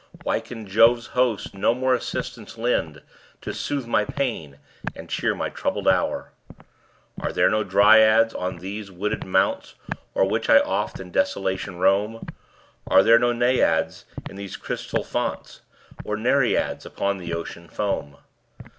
Why can Jove's host no more assistance lend, To soothe my pains, and cheer my troubled hour? Are there no Dryads on these wooded mounts O'er which I oft in desolation roam? Are there no Naiads in these crystal founts? Nor Nereids upon the Ocean foam?